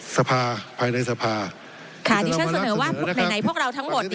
สภาภายในสภาค่ะดิฉันเสนอว่าไหนพวกเราทั้งหมด